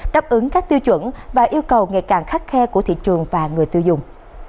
đáp ứng các tiêu chuẩn và yêu cầu ngày càng khắc khe của thị trường và người tiêu dùng